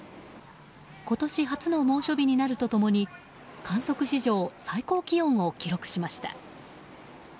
今年初の猛暑日になると共に観測史上最高気温を記録しました。